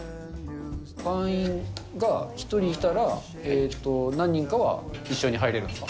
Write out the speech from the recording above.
会員が１人いたら、何人かは一緒に入れるんですか。